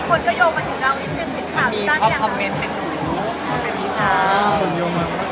ชิคกี้พายพิสิทธิ์ภาพตั้งอย่างไร